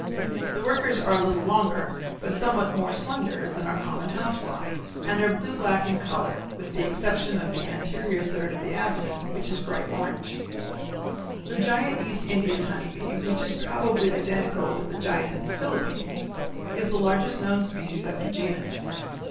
The workers are a little longer, but somewhat more slender than our common house fly, and are blue black in color, with the exception of the anterior third of the abdomen, which is bright orange. The giant East Indian honey bee, which is probably identical with the giant of the Philippines, is the largest known species of the genus.